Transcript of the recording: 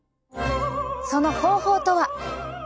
その方法とは。